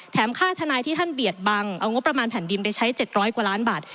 ค่าทนายที่ท่านเบียดบังเอางบประมาณแผ่นดินไปใช้๗๐๐กว่าล้านบาท